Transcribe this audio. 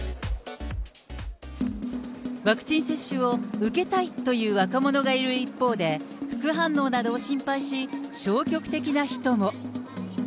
ワクチン接種を受けたいという若者がいる一方で、副反応などを心配し、消極的な人も。